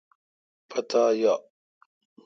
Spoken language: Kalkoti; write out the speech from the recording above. پتا یا۔